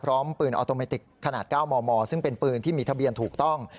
พร้อมปืนออโตเมติกขนาด๙มมซึ่งเป็นปืนที่มีทะเบียนถูกต้อง